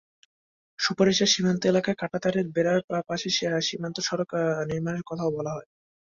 সুপারিশে সীমান্ত এলাকায় কাঁটাতারের বেড়ার পাশে সীমান্ত সড়ক নির্মাণের কথাও বলা হয়।